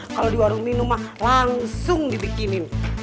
kalo di warung minum mah langsung dibikinin